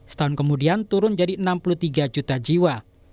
setahun kemudian turun jadi enam puluh tiga juta jiwa